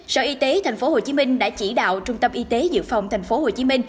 sở y tế tp hcm đã chỉ đạo trung tâm y tế dự phòng tp hcm